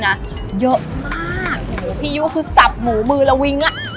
โปรดติดตามตอนต่อไป